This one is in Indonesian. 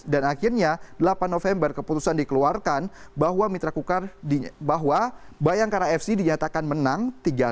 dan akhirnya delapan november keputusan dikeluarkan bahwa mitra kukar bahwa bayangkara fc dinyatakan menang tiga